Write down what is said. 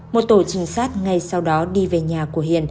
một tổ trinh sát ngay sau đó đi về nhà của hiền